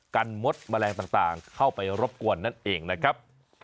กันมดแมลงต่างเข้าไปรบกวนนั่นเองนะครับ